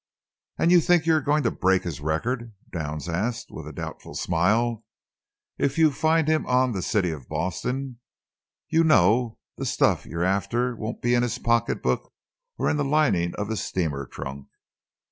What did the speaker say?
"And you think you are going to break his record?" Downs asked, with a doubtful smile. "If you find him on the City of Boston, you know, the stuff you're after won't be in his pocketbook or in the lining of his steamer trunk."